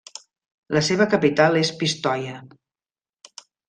La seva capital és Pistoia.